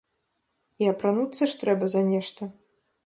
І апрануцца ж трэба за нешта.